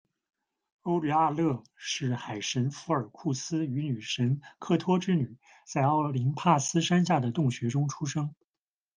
欧律阿勒是海神福耳库斯与女神刻托之女，在奥林帕斯山下的洞穴中出生。